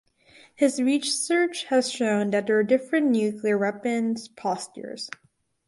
His research has shown that there are different nuclear weapons postures.